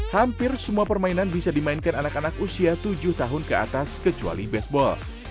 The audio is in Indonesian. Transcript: hampir semua permainan bisa dimainkan anak anak usia tujuh tahun ke atas kecuali baseball